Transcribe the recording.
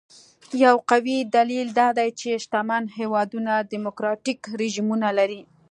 یو قوي دلیل دا دی چې شتمن هېوادونه ډیموکراټیک رژیمونه لري.